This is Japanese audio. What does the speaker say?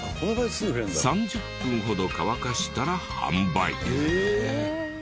３０分ほど乾かしたら販売。